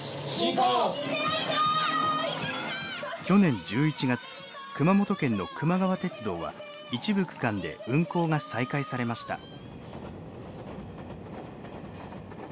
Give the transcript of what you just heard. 去年１１月熊本県のくま川鉄道は一部区間で運行が再開されました。